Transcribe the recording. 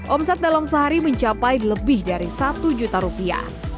omset dalam sehari mencapai lebih dari satu juta rupiah